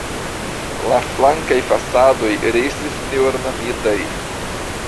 La flankaj fasadoj restis neornamitaj.